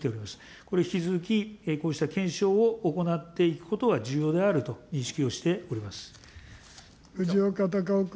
これ、引き続きこうした検証を行っていくことが重要であると認識をして藤岡隆雄君。